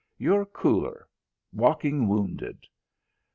"You're cooler. Walking wounded."